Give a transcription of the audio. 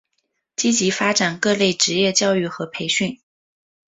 积极发展各类职业教育和培训。